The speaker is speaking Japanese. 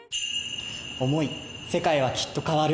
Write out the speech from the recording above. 想い世界は、きっと変わる。